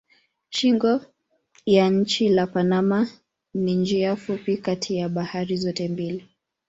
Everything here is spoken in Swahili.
Shingo ya nchi la Panama ni njia fupi kati ya bahari zote mbili.